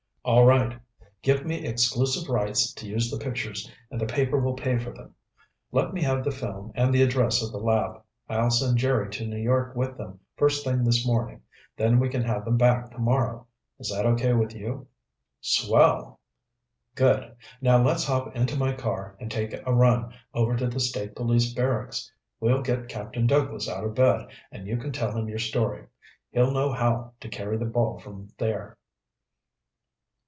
"All right. Give me exclusive rights to use the pictures and the paper will pay for them. Let me have the film and the address of the lab. I'll send Jerry to New York with them first thing this morning. Then we can have them back tomorrow. Is that okay with you?" "Swell." "Good. Now let's hop into my car and take a run over to the State Police Barracks. We'll get Captain Douglas out of bed and you can tell him your story. He'll know how to carry the ball from there."